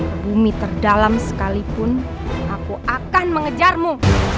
ke bumi terdalam sekalipun aku akan mengejarmu